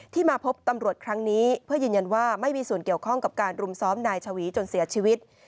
มาพบตำรวจครั้งนี้เพื่อยืนยันว่าไม่มีส่วนเกี่ยวข้องกับการรุมซ้อมนายชวีจนเสียชีวิต